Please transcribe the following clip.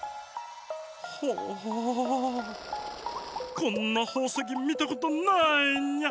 こんなほうせきみたことないニャ。